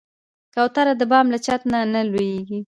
کوتره د بام له چت نه نه لوېږي.